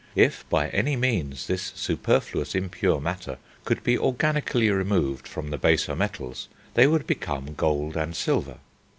If by any means this superfluous impure matter could be organically removed from the baser metals, they would become gold and silver.